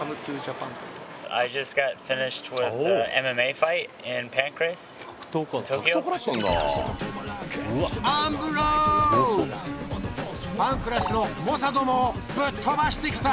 パンクラスの猛者どもをぶっ飛ばしてきた！